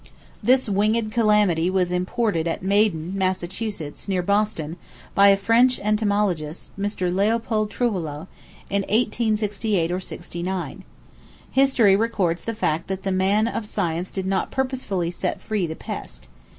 This winged calamity was imported at Maiden, Massachusetts, near Boston, by a French entomologist, Mr. Leopold Trouvelot, in 1868 or '69. History records the fact that the man of science did not purposely set free the pest.